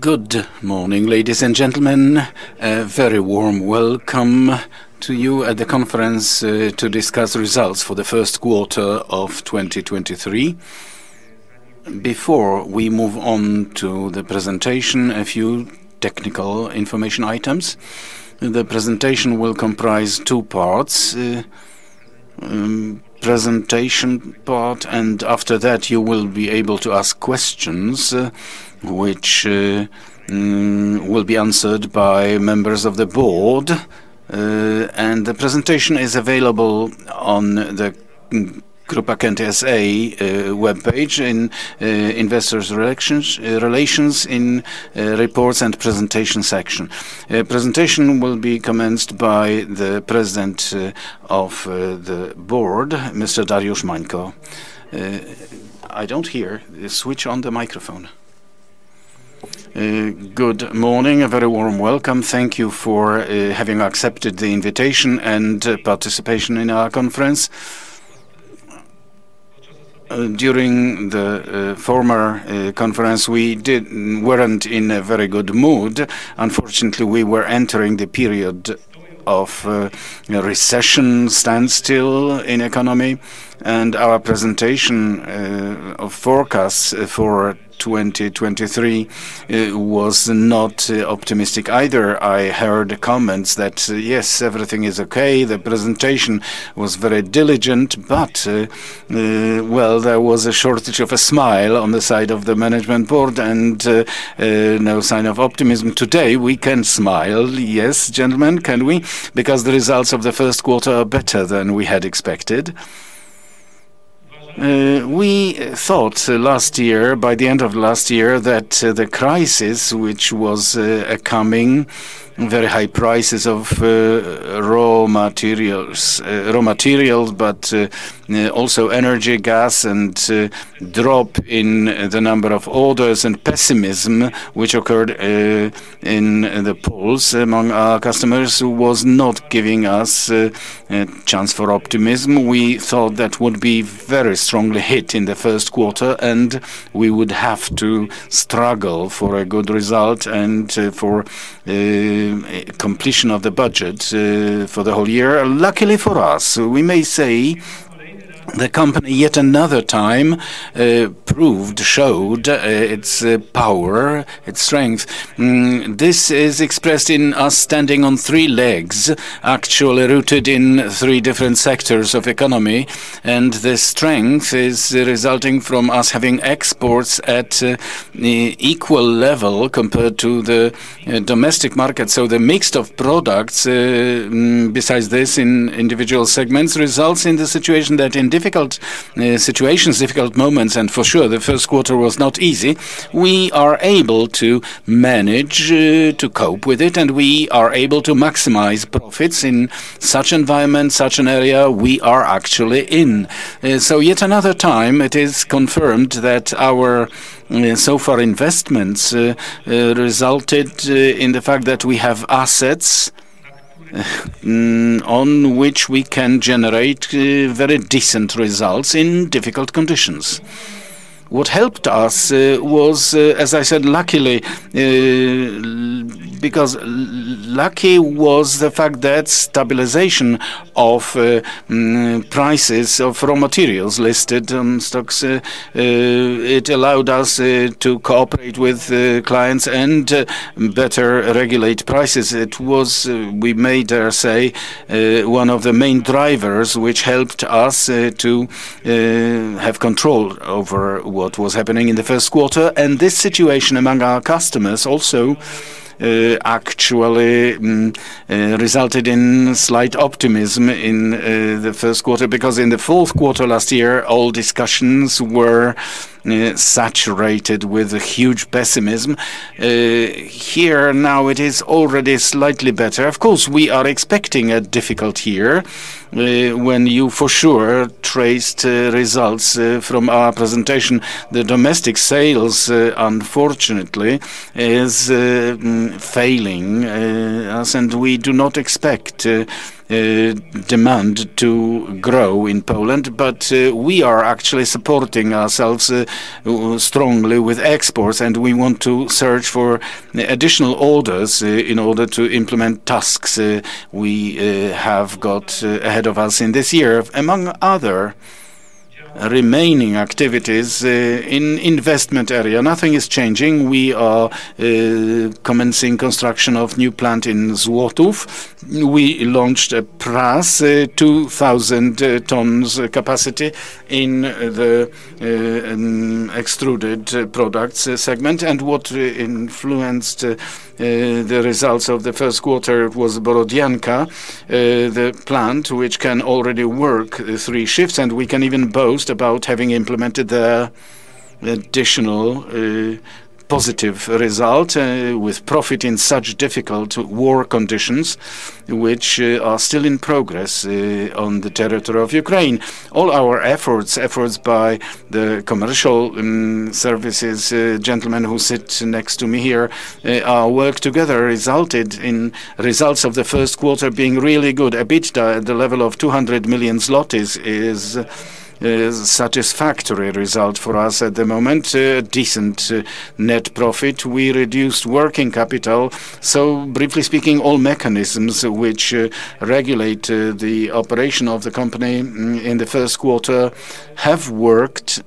Good morning, ladies and gentlemen. A very warm welcome to you at the conference, to discuss results for the first quarter of 2023. Before we move on to the presentation, a few technical information items. The presentation will comprise two parts, presentation part, and after that you will be able to ask questions, which will be answered by members of the board. The presentation is available on the Grupa Kęty S.A. webpage in investors relations relations in reports and presentation section. Presentation will be commenced by the President of the board, Mr. Dariusz Mańko. I don't hear. Switch on the microphone. Good morning. A very warm welcome. Thank you for having accepted the invitation and participation in our conference. During the former conference, we didn't... weren't in a very good mood. Unfortunately, we were entering the period of, you know, recession, standstill in economy, our presentation of forecasts for 2023 was not optimistic either. I heard comments that, yes, everything is okay, the presentation was very diligent, well, there was a shortage of a smile on the side of the management board and no sign of optimism. Today, we can smile. Yes, gentlemen, can we? The results of the first quarter are better than we had expected. We thought last year, by the end of last year, that the crisis, which was coming, very high prices of raw materials, but also energy, gas, and drop in the number of orders and pessimism which occurred in the polls among our customers was not giving us a chance for optimism. We thought that would be very strongly hit in the first quarter, and we would have to struggle for a good result and for completion of the budget for the whole year. Luckily for us, we may say the company yet another time proved, showed its power, its strength. This is expressed in us standing on three legs, actually rooted in three different sectors of economy. The strength is resulting from us having exports at equal level compared to the domestic market. The mix of products, besides this in individual segments, results in the situation that in difficult situations, difficult moments, and for sure the first quarter was not easy, we are able to manage to cope with it, and we are able to maximize profits in such environment, such an area we are actually in. Yet another time it is confirmed that our so far investments resulted in the fact that we have assets on which we can generate very decent results in difficult conditions. What helped us was, as I said, luckily, because lucky was the fact that stabilization of prices of raw materials listed on stocks, it allowed us to cooperate with clients and better regulate prices. It was, we may dare say, one of the main drivers which helped us to have control over what was happening in the first quarter. This situation among our customers also actually resulted in slight optimism in the first quarter, because in the fourth quarter last year, all discussions were saturated with huge pessimism. Here now it is already slightly better. Of course, we are expecting a difficult year. When you for sure traced results from our presentation, the domestic sales unfortunately is failing us, and we do not expect demand to grow in Poland. We are actually supporting ourselves strongly with exports, and we want to search for additional orders in order to implement tasks we have got ahead of us in this year. Among other remaining activities in investment area, nothing is changing. We are commencing construction of new plant in Złotów. We launched a press 2,000 tons capacity in the extruded products segment. What influenced the results of the first quarter was Borodianka, the plant which can already work 3 shifts, and we can even boast about having implemented the additional positive result with profit in such difficult war conditions, which are still in progress on the territory of Ukraine. All our efforts by the commercial services, gentlemen who sit next to me here, our work together resulted in results of the first quarter being really good. EBITDA at the level of 200 million zlotys is satisfactory result for us at the moment. A decent net profit. We reduced working capital. Briefly speaking, all mechanisms which regulate the operation of the company in the first quarter have worked.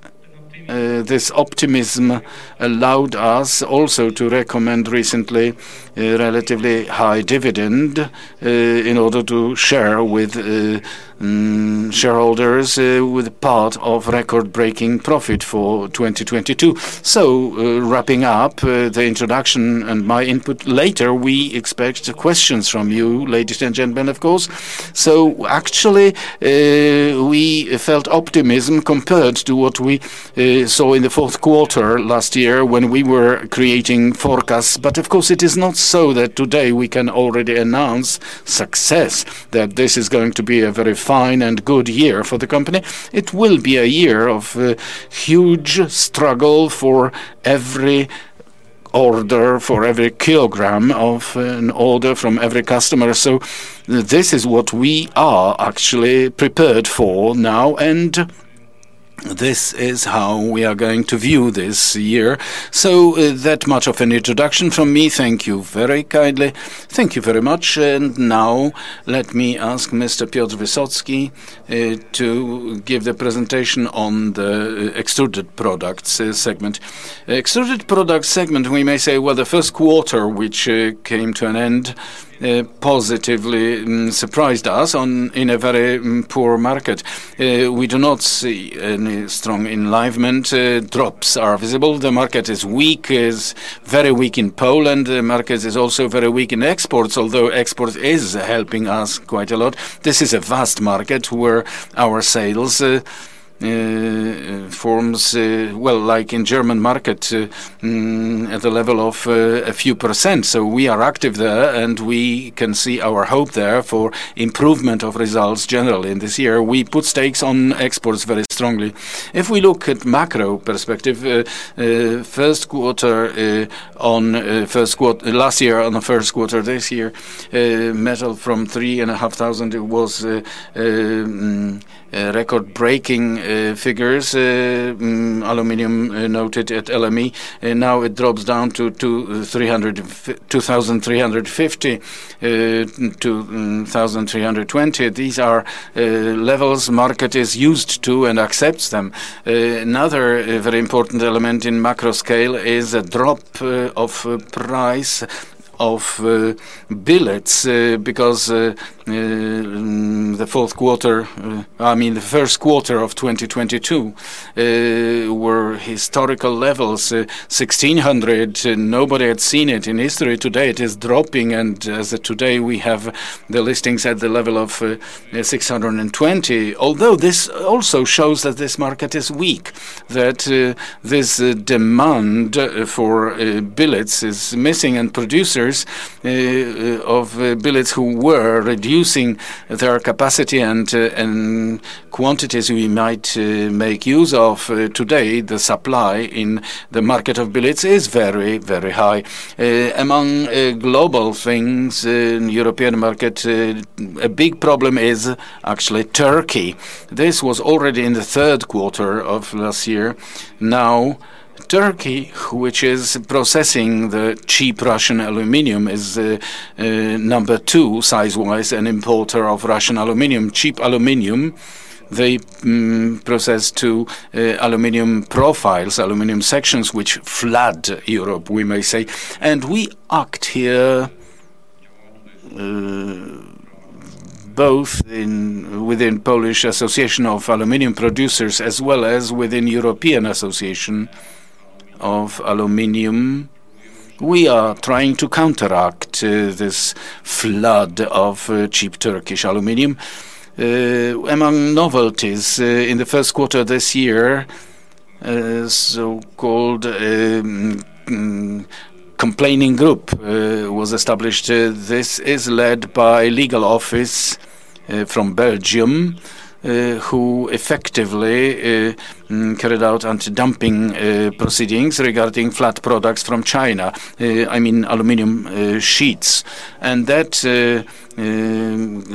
This optimism allowed us also to recommend recently a relatively high dividend in order to share with shareholders with part of record-breaking profit for 2022. Wrapping up the introduction and my input, later we expect questions from you, ladies and gentlemen, of course. Actually, we felt optimism compared to what we saw in the fourth quarter last year when we were creating forecasts. Of course, it is not so that today we can already announce success, that this is going to be a very fine and good year for the company. It will be a year of huge struggle for every order, for every kilogram of an order from every customer. This is what we are actually prepared for now, and this is how we are going to view this year. That much of an introduction from me. Thank you very kindly. Thank you very much. Now, let me ask Mr. Piotr Wysocki to give the presentation on the extruded products segment. Extruded products segment, we may say, well, the first quarter, which came to an end, positively surprised us on, in a very poor market. We do not see any strong enlivenment. Drops are visible. The market is weak, is very weak in Poland. The market is also very weak in exports, although export is helping us quite a lot. This is a vast market where our sales forms, well, like in German market, at the level of a few %. We are active there, and we can see our hope there for improvement of results generally in this year. We put stakes on exports very strongly. If we look at macro perspective, first quarter, on last year on the first quarter this year, metal from 3,500, it was record-breaking figures, aluminum noted at LME. Now it drops down to 2,350-1,320. These are levels market is used to and accepts them. Another very important element in macro scale is a drop of price of billets, because the fourth quarter, I mean, the first quarter of 2022, were historical levels, 1,600. Nobody had seen it in history. Today, it is dropping, and as of today, we have the listings at the level of 620. This also shows that this market is weak, that this demand for billets is missing and producers of billets who were reducing their capacity and quantities we might make use of today, the supply in the market of billets is very, very high. Among global things in European market, a big problem is actually Turkey. This was already in the 3rd quarter of last year. Turkey, which is processing the cheap Russian aluminum, is two size-wise an importer of Russian aluminum, cheap aluminum. They process to aluminum profiles, aluminum sections, which flood Europe, we may say. We act here, both within Polish Association of Aluminum Producers as well as within European Association of Aluminum. We are trying to counteract this flood of cheap Turkish aluminum. Among novelties, in the first quarter this year, a so-called complaining group was established. This is led by legal office from Belgium, who effectively carried out anti-dumping proceedings regarding flat products from China, I mean, aluminum sheets. That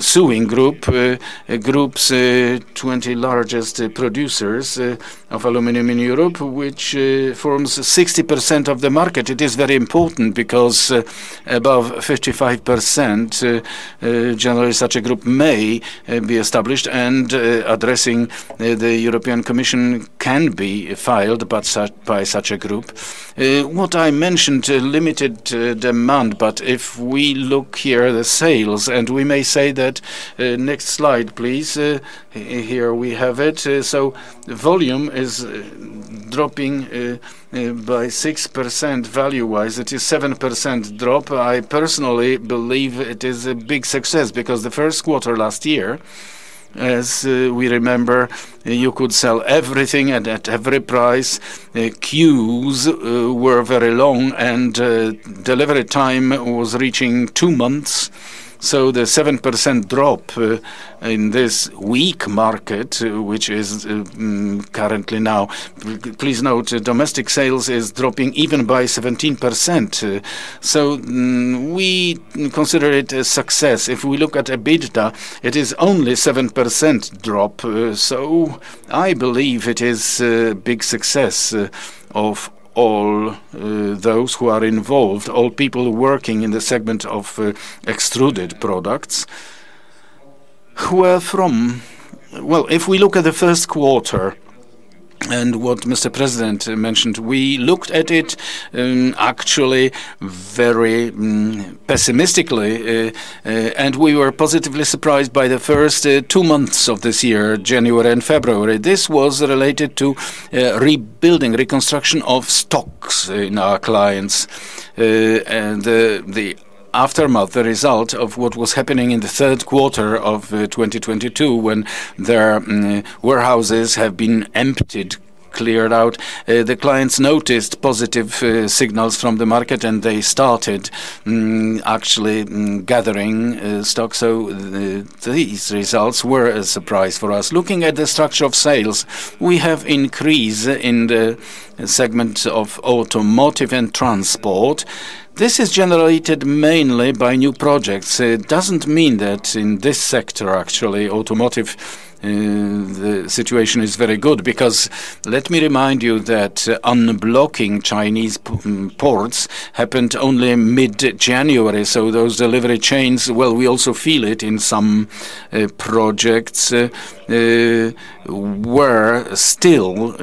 suing group groups 20 largest producers of aluminum in Europe, which forms 60% of the market. It is very important because above 55%, generally such a group may be established and addressing the European Commission can be filed by such a group. What I mentioned, limited demand. If we look here the sales, we may say that next slide, please. Here we have it. Volume is dropping by 6% value-wise. It is 7% drop. I personally believe it is a big success because the first quarter last year, as we remember, you could sell everything at every price. Queues were very long, delivery time was reaching two months. The 7% drop in this weak market, which is currently now. Please note, domestic sales is dropping even by 17%. We consider it a success. If we look at EBITDA, it is only 7% drop, I believe it is a big success of all those who are involved, all people working in the segment of extruded products. Well, if we look at the first quarter and what Mr. President mentioned, we looked at it actually very pessimistically. We were positively surprised by the first two months of this year, January and February. This was related to rebuilding, reconstruction of stocks in our clients. The aftermath, the result of what was happening in the third quarter of 2022 when their warehouses have been emptied, cleared out. The clients noticed positive signals from the market, and they started actually gathering stock. These results were a surprise for us. Looking at the structure of sales, we have increased in the segment of automotive and transport. This is generated mainly by new projects. It doesn't mean that in this sector, actually, automotive, the situation is very good because let me remind you that unblocking Chinese ports happened only mid-January. Those delivery chains, well, we also feel it in some projects, were still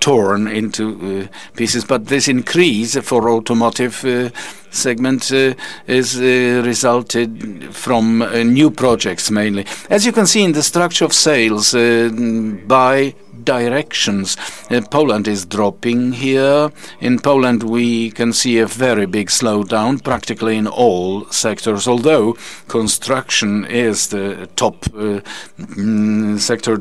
torn into pieces. This increase for automotive segment is resulted from new projects mainly. As you can see in the structure of sales, by directions, Poland is dropping here. In Poland, we can see a very big slowdown practically in all sectors, although construction is the top sector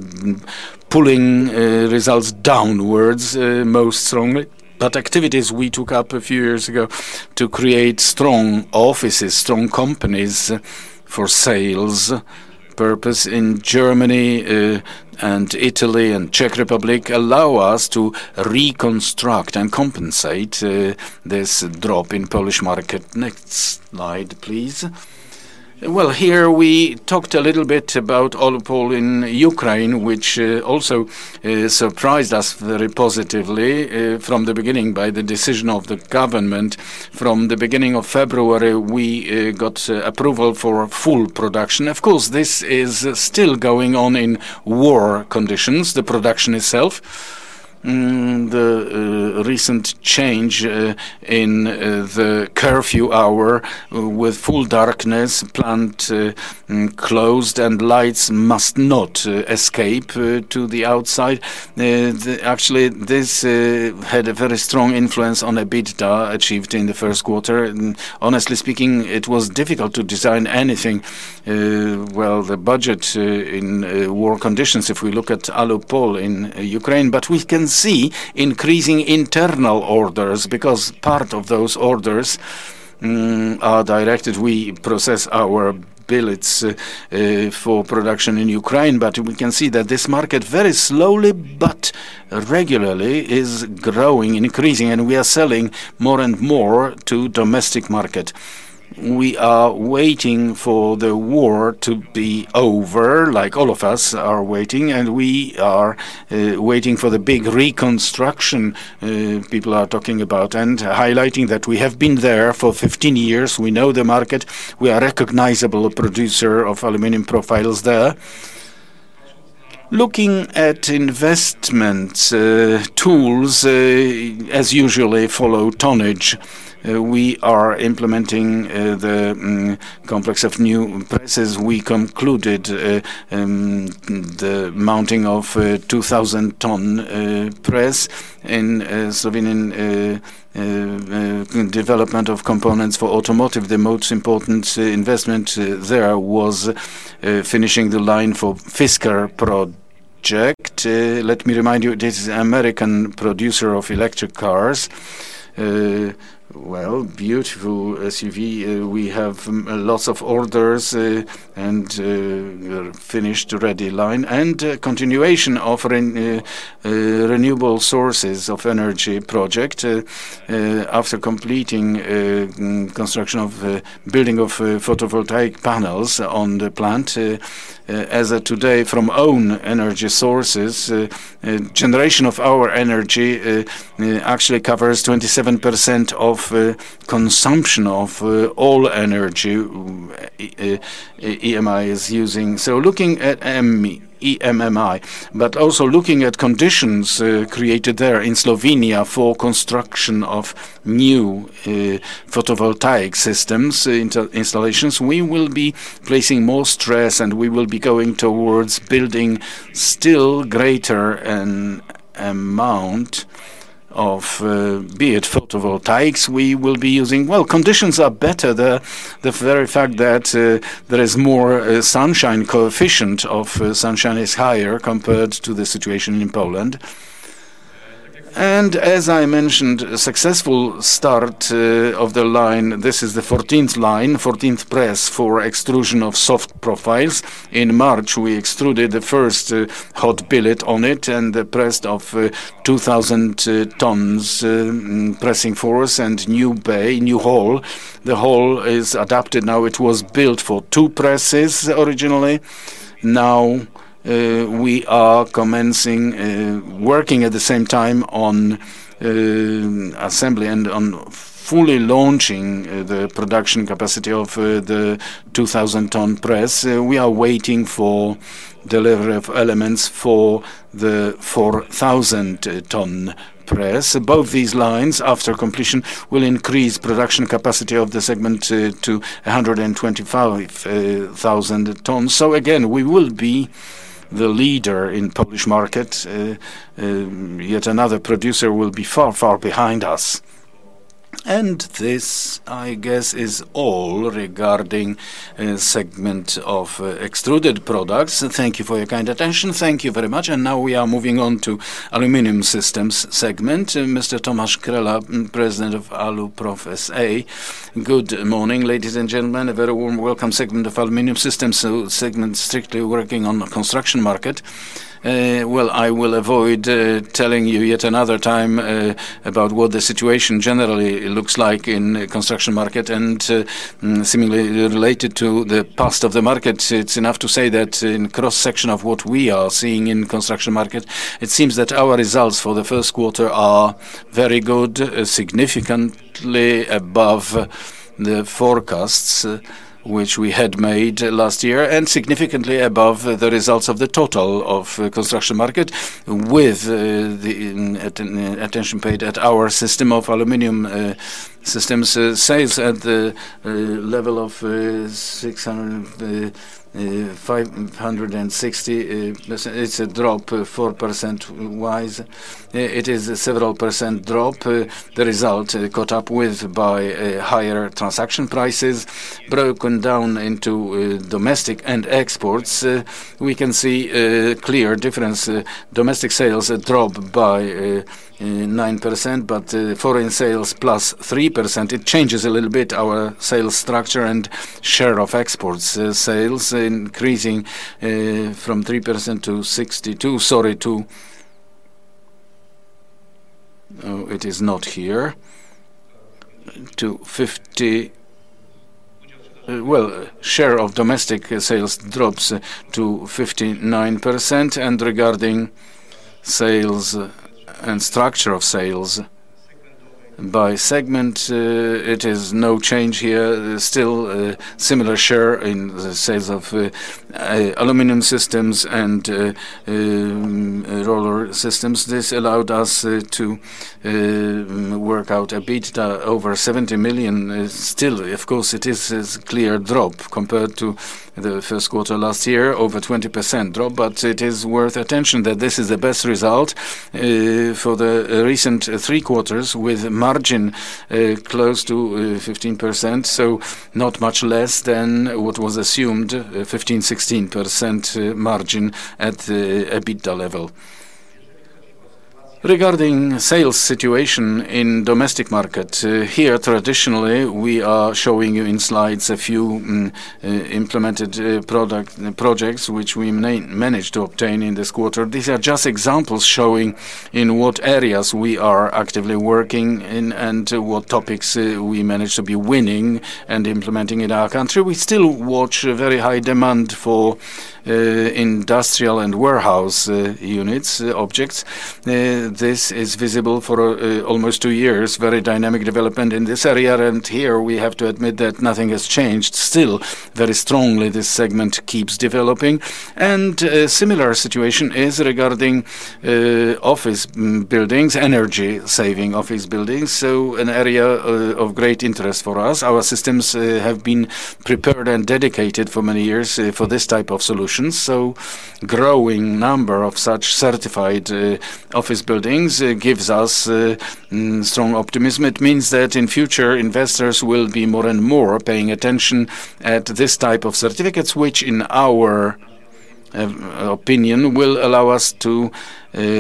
pulling results downwards most strongly. Activities we took up a few years ago to create strong offices, strong companies for sales purpose in Germany, and Italy and Czech Republic allow us to reconstruct and compensate this drop in Polish market. Next slide, please. Well, here we talked a little bit about Alupol in Ukraine, which also surprised us very positively from the beginning by the decision of the government. From the beginning of February, we got approval for full production. Of course, this is still going on in war conditions, the production itself. The recent change in the curfew hour with full darkness, plant closed and lights must not escape to the outside. Actually, this had a very strong influence on EBITDA achieved in the first quarter. Honestly speaking, it was difficult to design anything, well, the budget, in war conditions if we look at Alupol in Ukraine. We can see increasing internal orders because part of those orders are directed. We process our billets for production in Ukraine, but we can see that this market very slowly but regularly is growing and increasing, and we are selling more and more to domestic market. We are waiting for the war to be over, like all of us are waiting, and we are waiting for the big reconstruction people are talking about and highlighting that we have been there for 15 years. We know the market. We are a recognizable producer of aluminum profiles there. Looking at investment tools, as usually follow tonnage, we are implementing the complex of new presses. We concluded the mounting of a 2,000-ton press in Slovenian development of components for automotive. The most important investment there was finishing the line for Fisker project. Let me remind you, this is American producer of electric cars. Well, beautiful SUV. We have lots of orders and finished ready line. Continuation of renewable sources of energy project after completing construction of building of photovoltaic panels on the plant as of today from own energy sources. Generation of our energy actually covers 27% of consumption of all energy EMI is using. Looking at EMMI, but also looking at conditions created there in Slovenia for construction of new photovoltaic systems installations, we will be placing more stress, and we will be going towards building still greater an amount of be it photovoltaics we will be using. Conditions are better. The very fact that there is more sunshine coefficient of sunshine is higher compared to the situation in Poland. As I mentioned, a successful start of the line. This is the fourteenth line, fourteenth press for extrusion of soft profiles. In March, we extruded the first hot billet on it and the press of 2,000 tons pressing force and new bay, new hall. The hall is adapted now. It was built for two presses originally. Now, we are commencing working at the same time on assembly and on fully launching the production capacity of the 2,000 ton press. We are waiting for delivery of elements for the 4,000 ton press. Both these lines, after completion, will increase production capacity of the segment to 125,000 tons. Again, we will be the leader in Polish market. Yet another producer will be far behind us. This, I guess, is all regarding segment of extruded products. Thank you for your kind attention. Thank you very much. Now we are moving on to aluminum systems segment. Mr. Tomasz Grela, President of Aluprof S.A. Good morning, ladies and gentlemen. A very warm welcome segment of aluminum systems, segment strictly working on the construction market. Well, I will avoid telling you yet another time about what the situation generally looks like in construction market and similarly related to the past of the market. It's enough to say that in cross-section of what we are seeing in construction market, it seems that our results for the first quarter are very good, significantly above the forecasts which we had made last year and significantly above the results of the total of construction market with the attention paid at our system of aluminum systems sales at the level of 560. It's a drop of 4% wise. It is a several % drop. The result caught up with by higher transaction prices. Broken down into domestic and exports, we can see a clear difference. Domestic sales drop by 9%, but foreign sales plus 3%. It changes a little bit our sales structure and share of exports. Well, share of domestic sales drops to 59%. Regarding sales and structure of sales by segment, it is no change here. Still, similar share in the sales of aluminum systems and roller systems. This allowed us to work out a bit over 70 million. Still, of course, it is a clear drop compared to the first quarter last year, over 20% drop. It is worth attention that this is the best result for the recent three quarters with margin close to 15%, so not much less than what was assumed, 15%-16% margin at the EBITDA level. Regarding sales situation in domestic market, here, traditionally, we are showing you in slides a few implemented product projects which we managed to obtain in this quarter. These are just examples showing in what areas we are actively working in and what topics we managed to be winning and implementing in our country. We still watch a very high demand for industrial and warehouse units, objects. This is visible for almost two years, very dynamic development in this area. Here we have to admit that nothing has changed. Still, very strongly, this segment keeps developing. A similar situation is regarding office buildings, energy-saving office buildings, so an area of great interest for us. Our systems have been prepared and dedicated for many years for this type of solutions. Growing number of such certified office buildings gives us strong optimism. It means that in future, investors will be more and more paying attention at this type of certificates, which in our opinion, will allow us to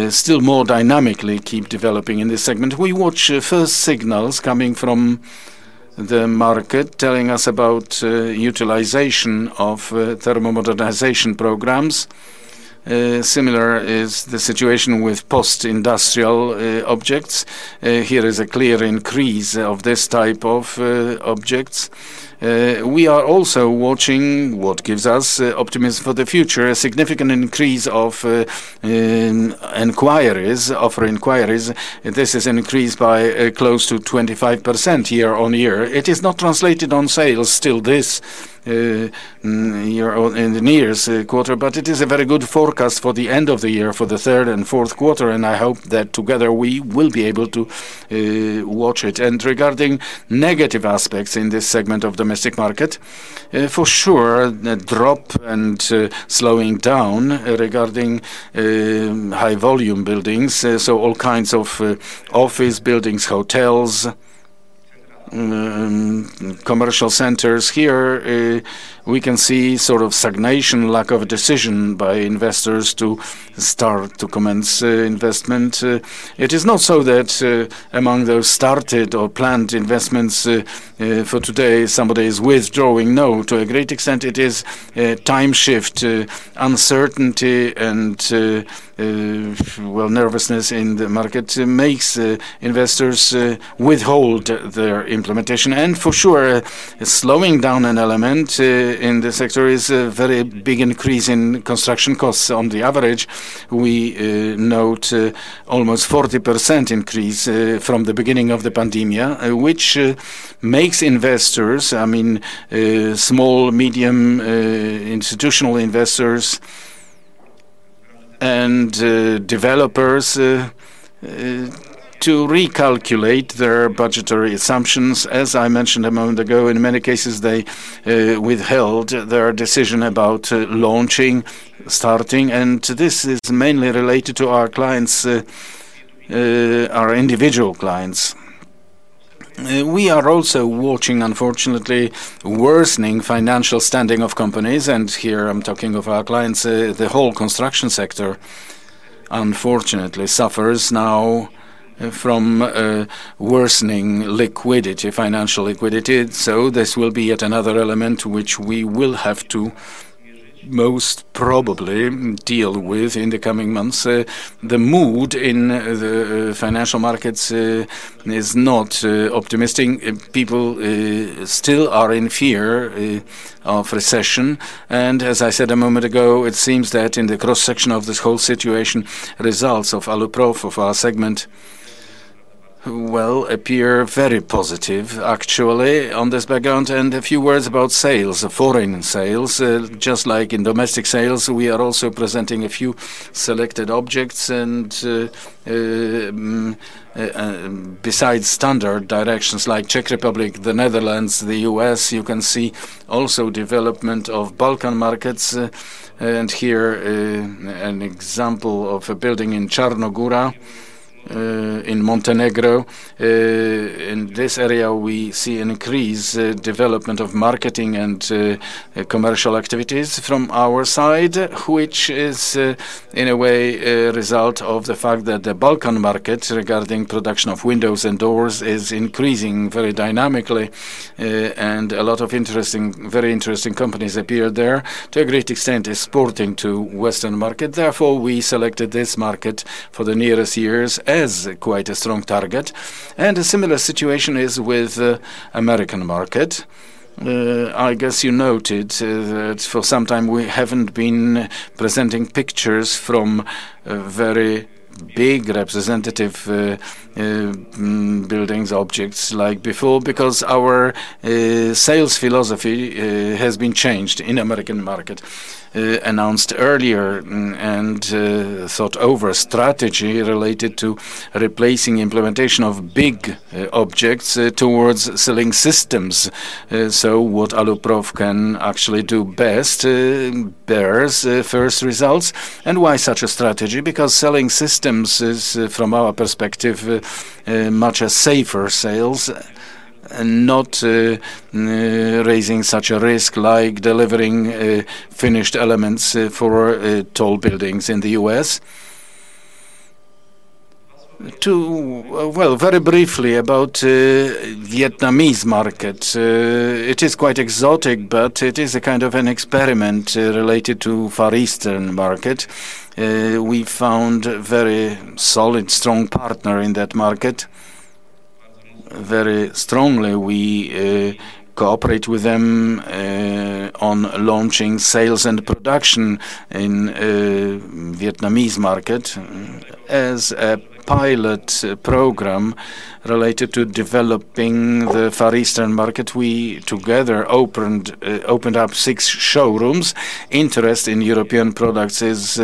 still more dynamically keep developing in this segment. We watch first signals coming from the market telling us about utilization of thermo-modernization programs. Similar is the situation with post-industrial objects. Here is a clear increase of this type of objects. We are also watching what gives us optimism for the future, a significant increase of in inquiries. This is increased by close to 25% year-on-year. It is not translated on sales still this year or in the nearest quarter, but it is a very good forecast for the end of the year, for the third and fourth quarter, and I hope that together we will be able to watch it. Regarding negative aspects in this segment of domestic market, for sure, the drop and slowing down regarding high volume buildings, so all kinds of office buildings, hotels, commercial centers. Here, we can see sort of stagnation, lack of decision by investors to start to commence investment. It is not so that among those started or planned investments for today, somebody is withdrawing. No. To a great extent, it is time shift, uncertainty and, well, nervousness in the market makes investors withhold their implementation. For sure, slowing down an element in this sector is a very big increase in construction costs. On the average, we note almost 40% increase from the beginning of the pandemic, which makes investors, I mean, small, medium, institutional investors and developers to recalculate their budgetary assumptions. As I mentioned a moment ago, in many cases, they withheld their decision about launching, starting, and this is mainly related to our clients, our individual clients. We are also watching, unfortunately, worsening financial standing of companies, and here I'm talking of our clients. The whole construction sector unfortunately suffers now from worsening liquidity, financial liquidity. This will be yet another element which we will have to most probably deal with in the coming months. The mood in the financial markets is not optimistic. People still are in fear of recession. As I said a moment ago, it seems that in the cross-section of this whole situation, results of Aluprof, of our segment, well, appear very positive, actually, on this background. A few words about sales, foreign sales. Just like in domestic sales, we are also presenting a few selected objects. Besides standard directions like Czech Republic, the Netherlands, the US, you can see also development of Balkan markets. Here, an example of a building in Crna Gora, in Montenegro. In this area, we see an increased development of marketing and commercial activities from our side, which is in a way a result of the fact that the Balkan market, regarding production of windows and doors, is increasing very dynamically. A lot of interesting, very interesting companies appear there. To a great extent, exporting to Western market. Therefore, we selected this market for the nearest years as quite a strong target. A similar situation is with American market. I guess you noted that for some time we haven't been presenting pictures from very big representative buildings, objects like before, because our sales philosophy has been changed in American market, announced earlier and thought over strategy related to replacing implementation of big objects towards selling systems. What Aluprof can actually do best bears first results. Why such a strategy? Because selling systems is from our perspective much a safer sales and not raising such a risk like delivering finished elements for tall buildings in the US. To, well, very briefly about Vietnamese market. It is quite exotic, but it is a kind of an experiment related to Far Eastern market. We found very solid, strong partner in that market. Very strongly, we cooperate with them on launching sales and production in Vietnamese market. As a pilot program related to developing the Far Eastern market, we together opened up six showrooms. Interest in European products is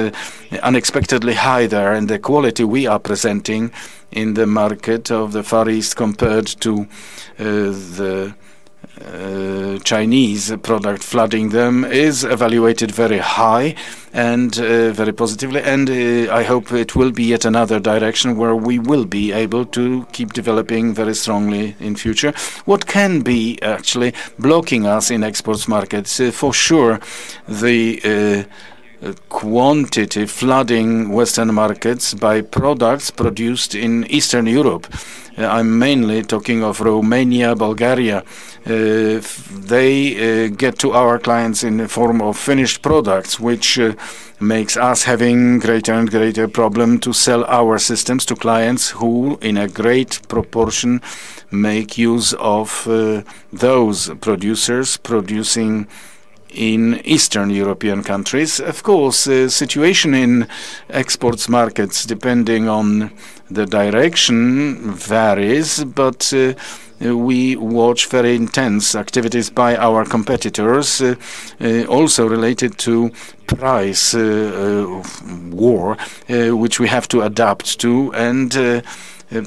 unexpectedly high there, and the quality we are presenting in the market of the Far East compared to the Chinese product flooding them is evaluated very high and very positively. I hope it will be yet another direction where we will be able to keep developing very strongly in future. What can be actually blocking us in exports markets? For sure, the quantity flooding Western markets by products produced in Eastern Europe. I'm mainly talking of Romania, Bulgaria. They get to our clients in the form of finished products, which makes us having greater and greater problem to sell our systems to clients who, in a great proportion, make use of those producers producing in Eastern European countries. Situation in exports markets, depending on the direction, varies, we watch very intense activities by our competitors also related to price war, which we have to adapt to.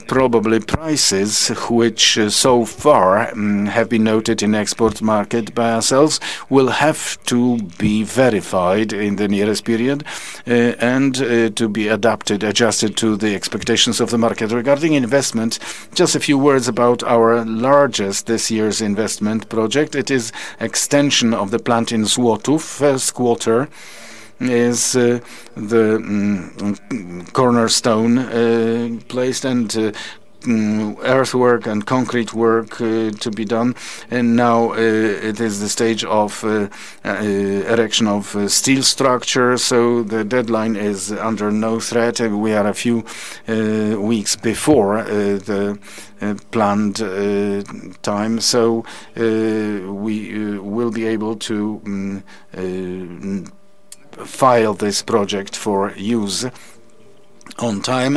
Probably prices which so far have been noted in export market by ourselves will have to be verified in the nearest period to be adapted, adjusted to the expectations of the market. Regarding investment, just a few words about our largest this year's investment project. It is extension of the plant in Złotów. First quarter is the cornerstone placed and earthwork and concrete work to be done. Now it is the stage of erection of steel structure, so the deadline is under no threat. We are a few weeks before the planned time. We will be able to file this project for use. On time.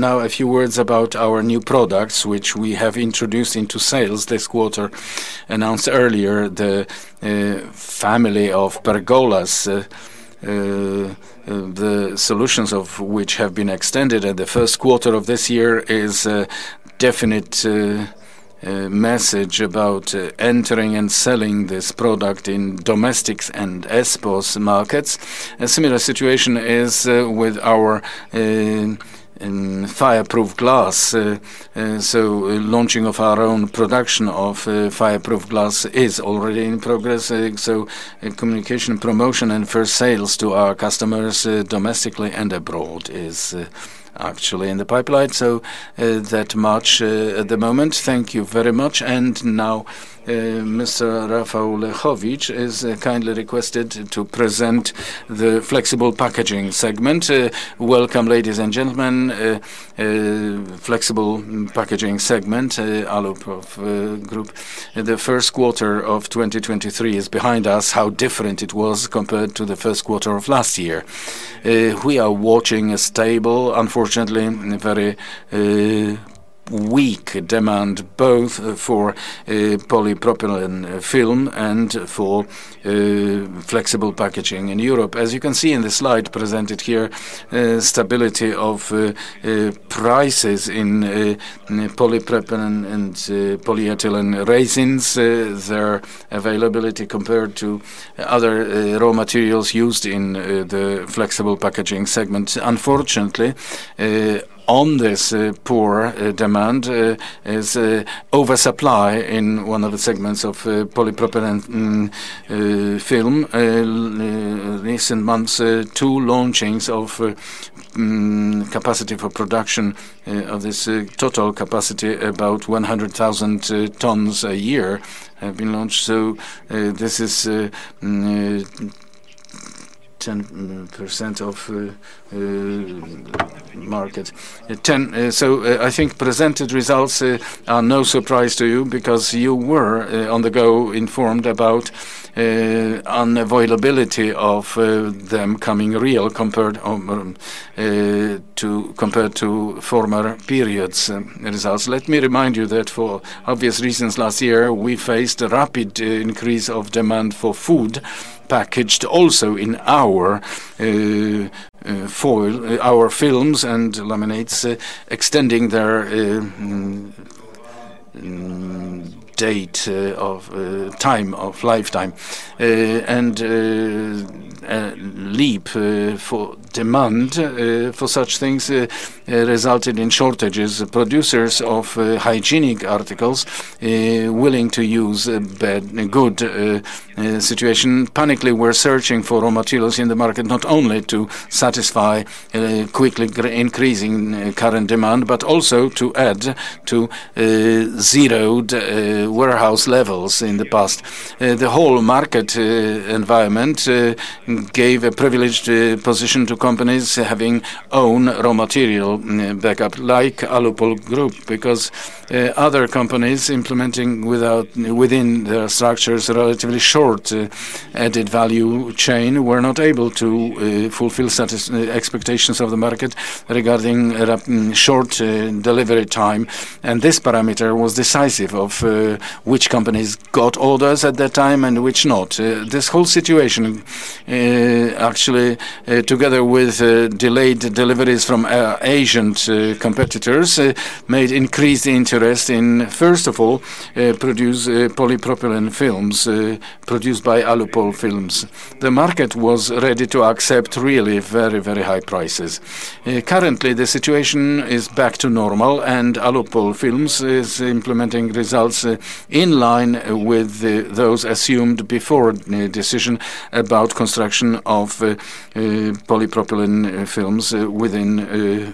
Now a few words about our new products which we have introduced into sales this quarter. Announced earlier the family of pergolas, the solutions of which have been extended at the first quarter of this year is a definite message about entering and selling this product in domestics and exports markets. A similar situation is with our fireproof glass. Launching of our own production of fireproof glass is already in progress, communication, promotion, and first sales to our customers domestically and abroad is actually in the pipeline. That much at the moment. Thank you very much. Now Mr. Rafał Lechowicz is kindly requested to present the flexible packaging segment. Welcome, ladies and gentlemen, flexible packaging segment, Alupol Group. The first quarter of 2023 is behind us, how different it was compared to the first quarter of last year. We are watching a stable, unfortunately, very weak demand both for polypropylene film and for flexible packaging in Europe. As you can see in the slide presented here, stability of prices in polypropylene and polyethylene resins, their availability compared to other raw materials used in the flexible packaging segment. Unfortunately, on this poor demand, is oversupply in one of the segments of polypropylene film. Recent months, two launchings of capacity for production of this total capacity about 100,000 tons a year have been launched. This is 10% of market. I think presented results are no surprise to you because you were on the go informed about unavailability of them coming real compared to former periods' results. Let me remind you that for obvious reasons, last year, we faced a rapid increase of demand for food packaged also in our foil, our films and laminates, extending their date of time of lifetime. A leap for demand for such things resulted in shortages. Producers of hygienic articles willing to use the good situation, panickily were searching for raw materials in the market, not only to satisfy quickly increasing current demand, but also to add to zeroed warehouse levels in the past. The whole market environment gave a privileged position to companies having own raw material backup like Alupol Group, because other companies implementing within their structures relatively short added value chain were not able to fulfill expectations of the market regarding a short delivery time. This parameter was decisive of which companies got orders at that time and which not. This whole situation actually together with delayed deliveries from Asian competitors made increased interest in, first of all, produce polypropylene films produced by Alupol Films. The market was ready to accept really very, very high prices. Currently, the situation is back to normal and Alupol Films is implementing results in line with those assumed before the decision about construction of polypropylene films within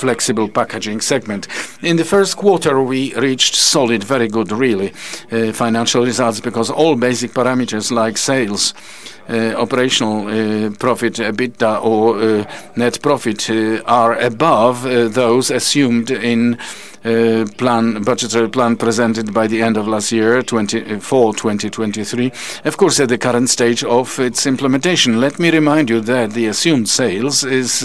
flexible packaging segment. In the first quarter, we reached solid, very good really, financial results because all basic parameters like sales, operational profit, EBITDA or net profit, are above those assumed in plan, budgetary plan presented by the end of last year, 2023, of course, at the current stage of its implementation. Let me remind you that the assumed sales is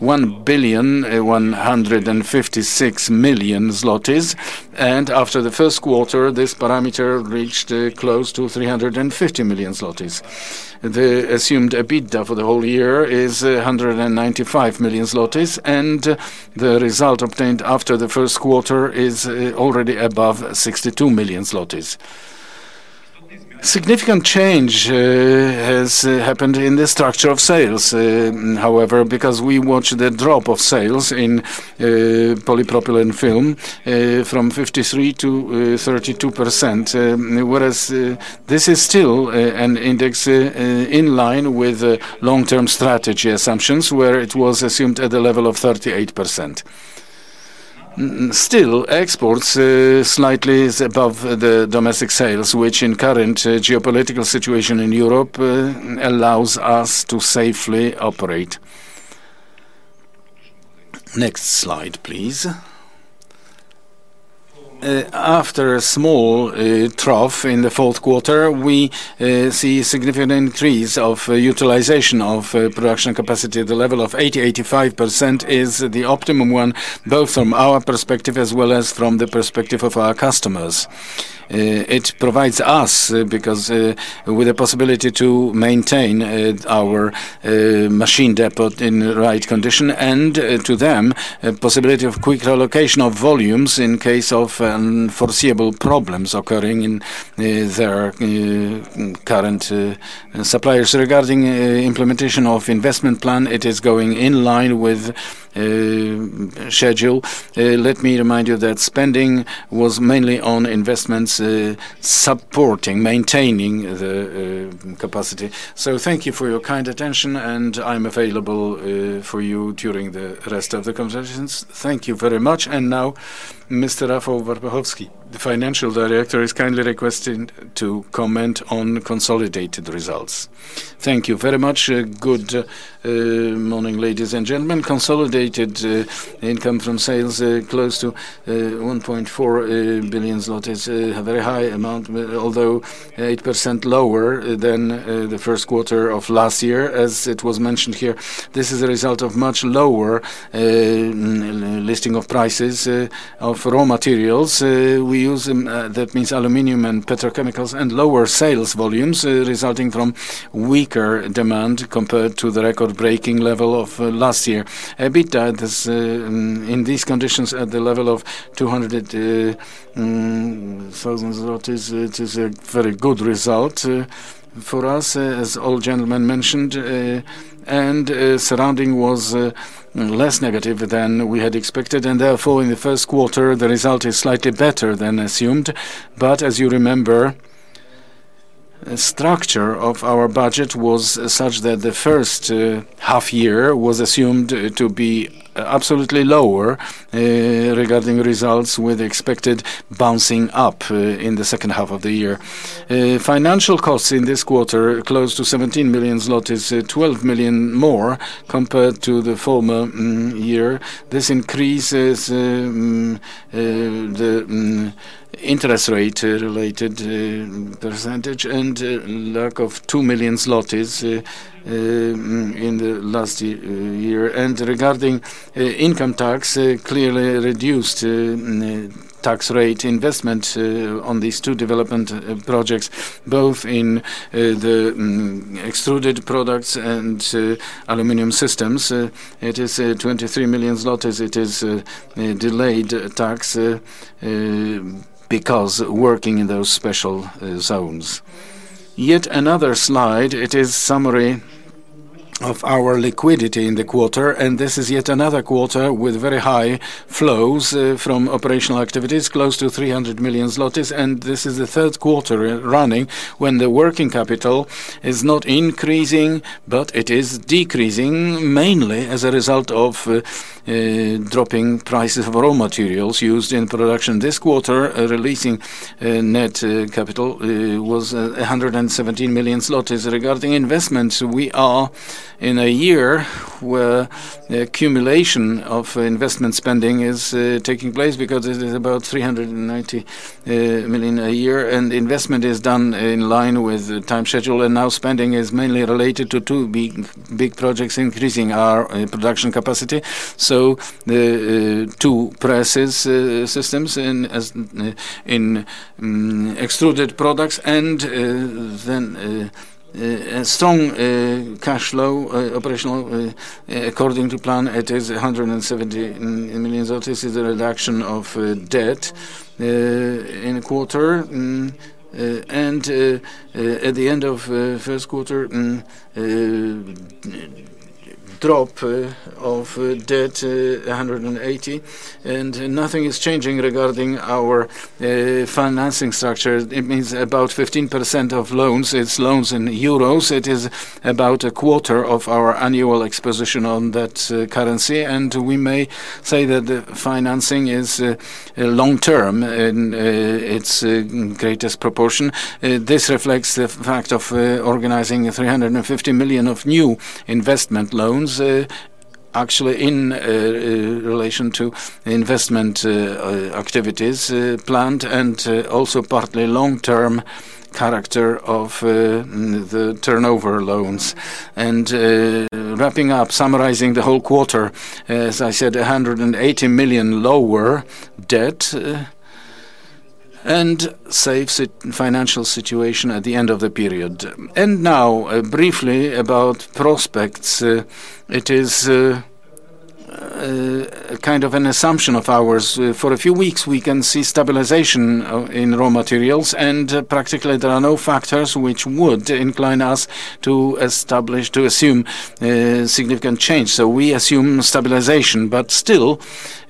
1,156 million zlotys, and after the first quarter, this parameter reached close to 350 million zlotys. The assumed EBITDA for the whole year is 195 million zlotys, and the result obtained after the first quarter is already above 62 million zlotys. Significant change has happened in the structure of sales, however, because we watched the drop of sales in polypropylene film from 53% to 32%, whereas this is still an index in line with the long-term strategy assumptions, where it was assumed at the level of 38%. Still, exports slightly is above the domestic sales, which in current geopolitical situation in Europe allows us to safely operate. Next slide, please. After a small trough in the fourth quarter, we see a significant increase of utilization of production capacity. The level of 80%-85% is the optimum one, both from our perspective as well as from the perspective of our customers. It provides us with the possibility to maintain our machine depot in the right condition and to them, a possibility of quick relocation of volumes in case of foreseeable problems occurring in their current suppliers. Regarding implementation of investment plan, it is going in line with schedule. Let me remind you that spending was mainly on investments, supporting, maintaining the capacity. Thank you for your kind attention, and I'm available for you during the rest of the conversations. Thank you very much. Now, Mr. Rafał Grabowski, the Financial Director, is kindly requested to comment on consolidated results. Thank you very much. Good morning, ladies and gentlemen. Consolidated income from sales close to 1.4 billion zlotys, a very high amount. Although 8% lower than the first quarter of last year, as it was mentioned here. This is a result of much lower listing of prices of raw materials we use, that means aluminum and petrochemicals, and lower sales volumes resulting from weaker demand compared to the record-breaking level of last year. EBITDA does in these conditions at the level of PLN 200,000, it is a very good result for us, as all gentlemen mentioned. Surrounding was less negative than we had expected, and therefore, in the first quarter, the result is slightly better than assumed. As you remember, structure of our budget was such that the first half-year was assumed to be absolutely lower regarding results with expected bouncing up in the second half of the year. Financial costs in this quarter, close to 17 million zloty, 12 million more compared to the former year. This increases the interest rate related percentage and lack of 2 million zlotys in the last year. Regarding income tax, clearly reduced tax rate investment on these two development projects, both in the extruded products and aluminium systems. It is 23 million zlotys. It is a delayed tax because working in those special zones. Yet another slide, it is summary of our liquidity in the quarter. This is yet another quarter with very high flows from operational activities, close to 300 million zlotys. This is the third quarter running when the working capital is not increasing, but it is decreasing mainly as a result of dropping prices of raw materials used in production. This quarter, releasing net capital was 117 million zlotys. Regarding investments, we are in a year where the accumulation of investment spending is taking place because it is about 390 million a year. Investment is done in line with the time schedule. Now spending is mainly related to two big projects increasing our production capacity. The two prices systems in as in extruded products, then a strong cash flow operational according to plan, it is a 170 million zlotys of this is a reduction of debt in quarter. At the end of first quarter, drop of debt 180. Nothing is changing regarding our financing structure. It means about 15% of loans. It's loans in euros. It is about a quarter of our annual exposition on that currency. We may say that the financing is long-term in its greatest proportion. This reflects the fact of organizing 350 million of new investment loans, actually in relation to investment activities planned and also partly long-term character of the turnover loans. Wrapping up, summarizing the whole quarter, as I said, 180 million lower debt and safe financial situation at the end of the period. Now, briefly about prospects. It is kind of an assumption of ours. For a few weeks, we can see stabilization of, in raw materials, and practically there are no factors which would incline us to establish, to assume significant change. We assume stabilization, but still,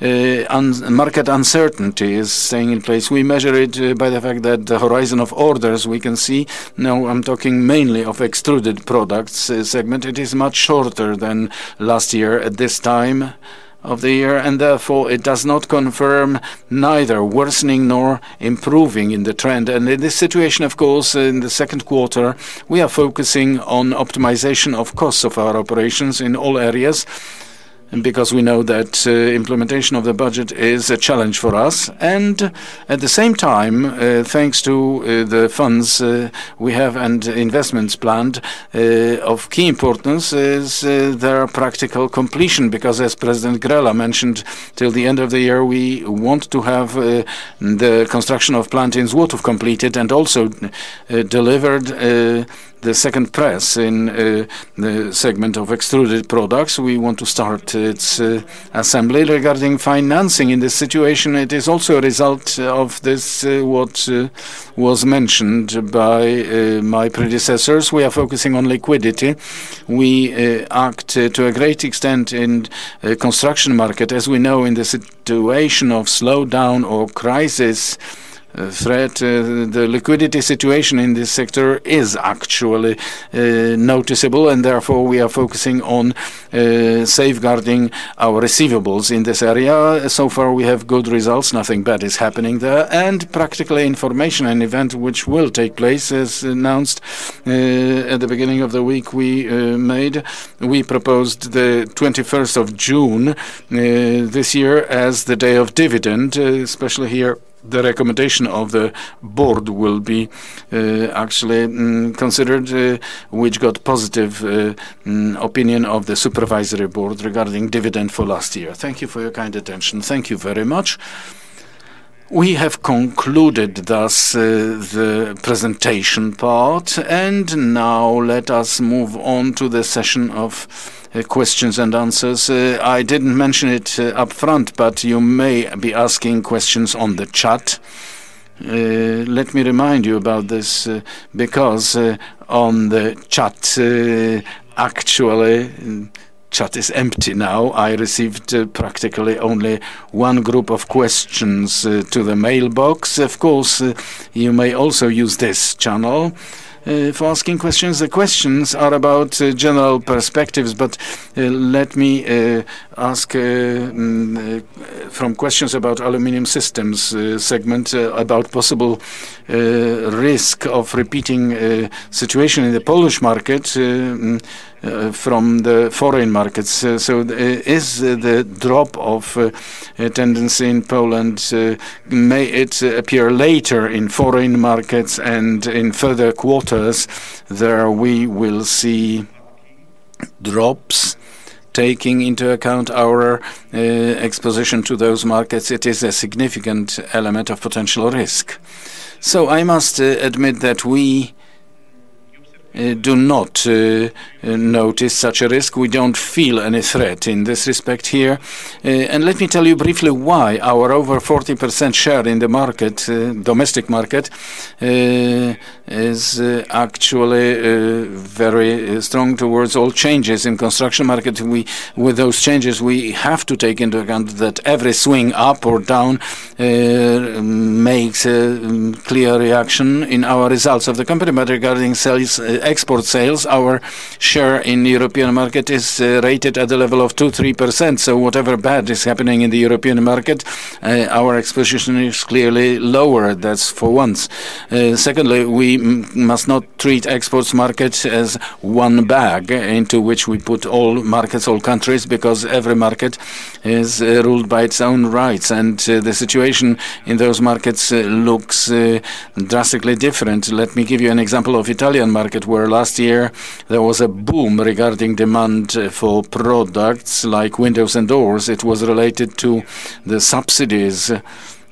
market uncertainty is staying in place. We measure it by the fact that the horizon of orders we can see. Now, I'm talking mainly of extruded products segment. It is much shorter than last year at this time of the year, and therefore it does not confirm neither worsening nor improving in the trend. In this situation, of course, in the second quarter, we are focusing on optimization of costs of our operations in all areas. Because we know that implementation of the budget is a challenge for us. At the same time, thanks to the funds we have and investments planned, of key importance is their practical completion, because as President Grela mentioned, till the end of the year, we want to have the construction of plant in Złotów completed and also delivered the second press in the segment of extruded products. We want to start its assembly. Regarding financing, in this situation, it is also a result of this, what, was mentioned by, my predecessors. We are focusing on liquidity. We, act to a great extent in the construction market. As we know, in the situation of slowdown or crisis, threat, the liquidity situation in this sector is actually, noticeable, and therefore we are focusing on, safeguarding our receivables in this area. So far, we have good results. Nothing bad is happening there. Practical information and event which will take place, as announced, at the beginning of the week we, made, we proposed the 21st of June, this year as the day of dividend, especially here, the recommendation of the board will be, actually considered, which got positive, opinion of the supervisory board regarding dividend for last year. Thank you for your kind attention. Thank you very much. We have concluded thus, the presentation part. Now let us move on to the session of questions and answers. I didn't mention it upfront, but you may be asking questions on the chat. Let me remind you about this, because on the chat, actually chat is empty now. I received practically only one group of questions to the mailbox. Of course, you may also use this channel for asking questions. The questions are about general perspectives, but let me ask from questions about aluminum systems segment about possible risk of repeating situation in the Polish market from the foreign markets. Is the drop of tendency in Poland, may it appear later in foreign markets and in further quarters there we will see drops taking into account our exposition to those markets, it is a significant element of potential risk. I must admit that we do not notice such a risk. We don't feel any threat in this respect here. Let me tell you briefly why our over 40% share in the market, domestic market, is actually very strong towards all changes in construction market. We, with those changes, we have to take into account that every swing up or down makes a clear reaction in our results of the company. Regarding sales, export sales, our share in European market is rated at the level of 2%-3%. Whatever bad is happening in the European market, our exposition is clearly lower. That's for once. Secondly, we must not treat exports markets as one bag into which we put all markets, all countries, because every market is ruled by its own rights. The situation in those markets looks drastically different. Let me give you an example of Italian market, where last year there was a boom regarding demand for products like windows and doors. It was related to the subsidies.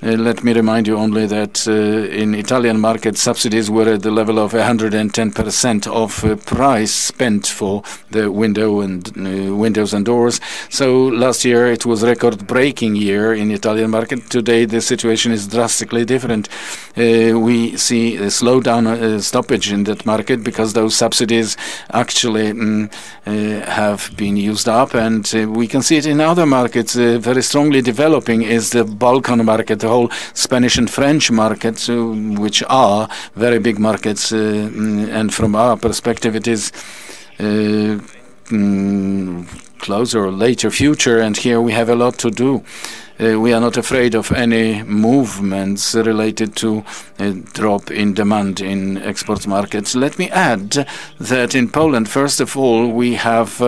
Let me remind you only that in Italian market, subsidies were at the level of 110% of price spent for the window and windows and doors. Last year it was record-breaking year in Italian market. Today, the situation is drastically different. We see a slowdown, stoppage in that market because those subsidies actually have been used up. We can see it in other markets, very strongly developing is the Balkan market, the whole Spanish and French markets, which are very big markets. From our perspective, it is closer or later future, and here we have a lot to do. We are not afraid of any movements related to a drop in demand in exports markets. Let me add that in Poland, first of all, we have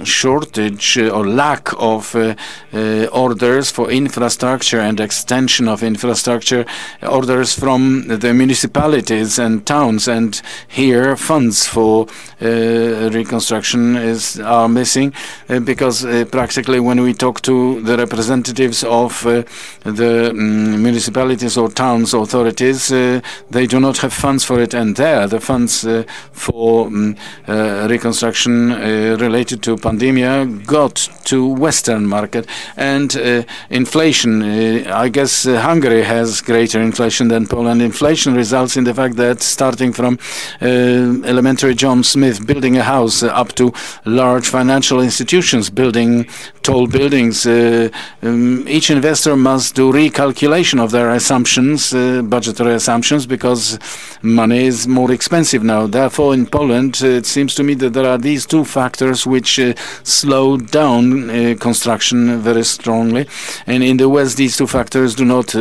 a shortage or lack of orders for infrastructure and extension of infrastructure, orders from the municipalities and towns. Here funds for reconstruction are missing because practically when we talk to the representatives of the municipalities or towns authorities, they do not have funds for it. There the funds for reconstruction related to pandemic got to Western market and inflation. I guess Hungary has greater inflation than Poland. Inflation results in the fact that starting from elementary John Smith building a house up to large financial institutions building tall buildings, each investor must do recalculation of their assumptions, budgetary assumptions, because money is more expensive now. In Poland, it seems to me that there are these two factors which slow down construction very strongly. In the West, these two factors do not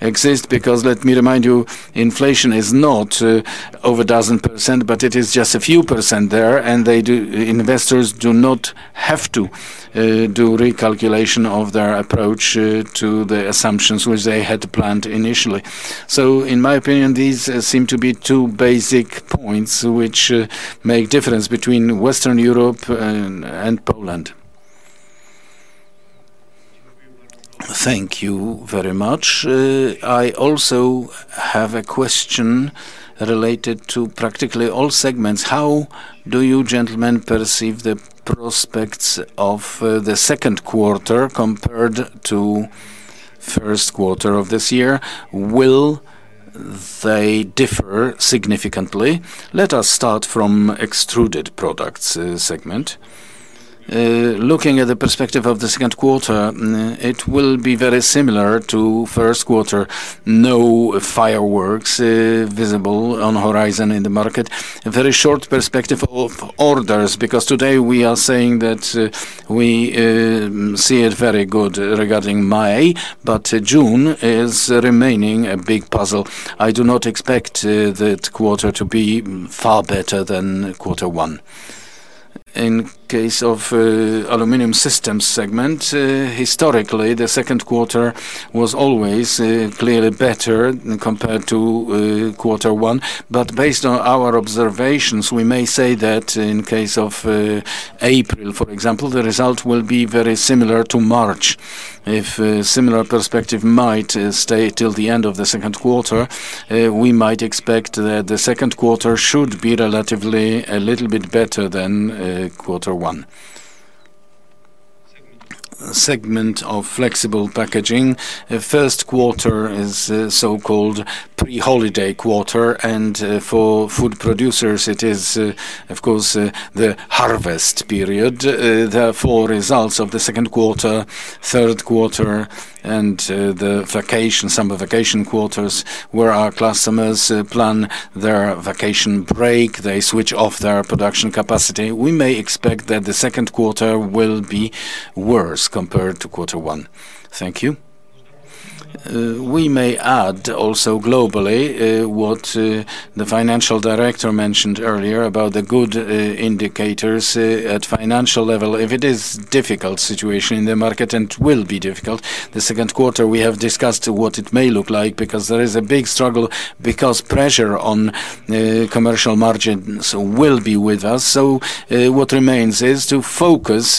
exist because let me remind you, inflation is not over 1,000%, but it is just a few percent there. Investors do not have to do recalculation of their approach to the assumptions which they had planned initially. In my opinion, these seem to be two basic points which make difference between Western Europe and Poland. Thank you very much. I also have a question related to practically all segments. How do you gentlemen perceive the prospects of the second quarter compared to first quarter of this year? Will they differ significantly? Let us start from extruded products segment. Looking at the perspective of the second quarter, it will be very similar to first quarter. No fireworks visible on horizon in the market. A very short perspective of orders because today we are saying that we see it very good regarding May, but June is remaining a big puzzle. I do not expect that quarter to be far better than quarter one. In case of aluminum systems segment, historically, the second quarter was always clearly better compared to quarter one. Based on our observations, we may say that in case of April, for example, the result will be very similar to March. If a similar perspective might stay till the end of the second quarter, we might expect that the second quarter should be relatively a little bit better than quarter one. Segment of flexible packaging. First quarter is so-called pre-holiday quarter, and for food producers it is of course the harvest period. Therefore, results of the second quarter, third quarter and the vacation, summer vacation quarters where our customers plan their vacation break, they switch off their production capacity, we may expect that the second quarter will be worse compared to quarter one. Thank you. We may add also globally, what the financial director mentioned earlier about the good indicators at financial level. If it is difficult situation in the market and will be difficult, the second quarter we have discussed what it may look like because there is a big struggle because pressure on commercial margins will be with us. What remains is to focus...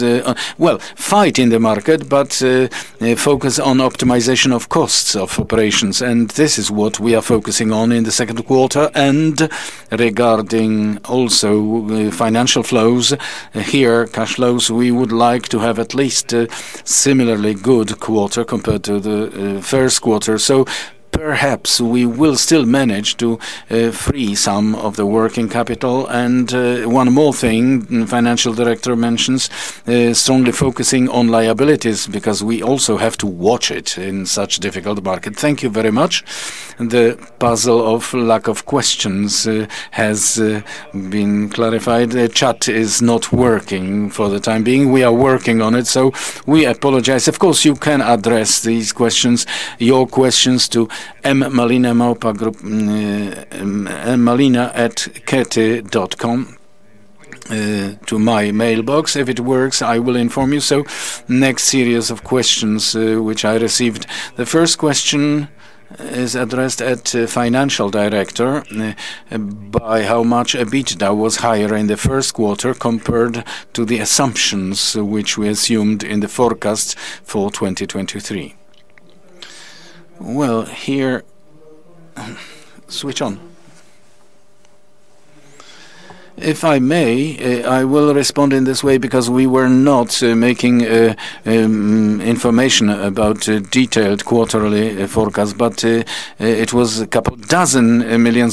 Well, fight in the market, but focus on optimization of costs of operations. This is what we are focusing on in the second quarter. Regarding also the financial flows, here cash flows, we would like to have at least a similarly good quarter compared to the first quarter. One more thing financial director mentions, strongly focusing on liabilities because we also have to watch it in such difficult market. Thank you very much. The puzzle of lack of questions has been clarified. The chat is not working for the time being. We are working on it. We apologize. Of course, you can address these questions, your questions, to M Malina Maupa Group, mmalina@grupakety.com, to my mailbox. If it works, I will inform you. Next series of questions, which I received. The first question is addressed at Financial Director. By how much EBITDA was higher in the first quarter compared to the assumptions which we assumed in the forecast for 2023? Well, here. Switch on. If I may, I will respond in this way because we were not making information about detailed quarterly forecast, but it was PLN couple dozen million